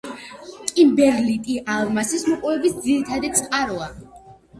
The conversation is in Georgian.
კიმბერლიტი ალმასის მოპოვების ძირითადი წყაროა.